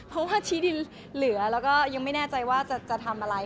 เพราะว่าชี้ดินเหลือแล้วก็ยังไม่แน่ใจว่าจะทำอะไร